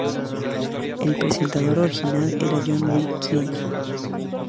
El presentador original era John Reed King.